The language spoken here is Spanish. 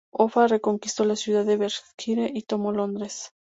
Offa reconquistó la ciudad de Berkshire, y tomó Londres.